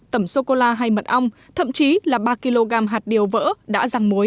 tẩm sô cô la hay mật ong thậm chí là ba kg hạt điều vỡ đã răng muối